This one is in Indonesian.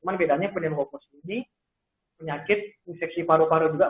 cuman bedanya polimofokus ini penyakit infeksi paru paru juga